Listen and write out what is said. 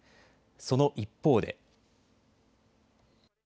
その一方で。